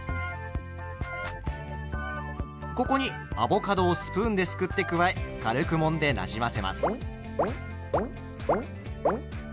ここにアボカドをスプーンですくって加え軽くもんでなじませます。